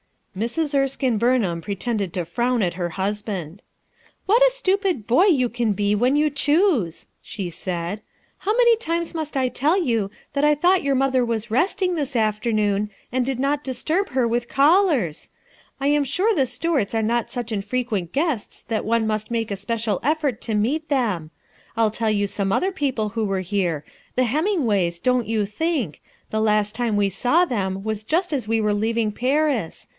Mrs, Erskine Burnliam pretended to frown at her husband. "What a stupid boy you can be when you choose!" she said. "How many times must I tell you that I thought mother was resting, this afternoon, and did not disturb her with callers? I'm sure the Stuarts are not such in frequent guests that one must make a special effort to meet them. I'll tell you some other people who were here. The Hemingways, don't you think! The last time we saw them was just as we were leaving Paris.